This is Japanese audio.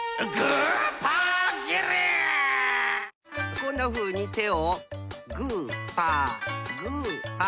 こんなふうに手をグーパーグーパー。